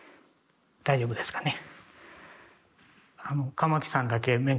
大丈夫ですかね。